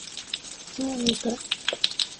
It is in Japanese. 締めに行く！